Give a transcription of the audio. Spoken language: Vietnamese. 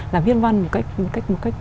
là viết văn một cách